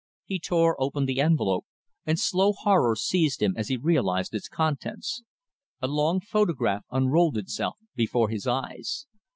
He tore open the envelope, and slow horror seized him as he realised its contents. A long photograph unrolled itself before his eyes.